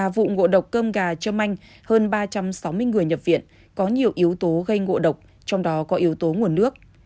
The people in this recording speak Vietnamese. học cơm gà châm manh hơn ba trăm sáu mươi người nhập viện có nhiều yếu tố gây ngộ độc trong đó có yếu tố nguồn nước